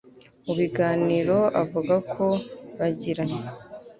mu biganiro avuga ko bagiranye.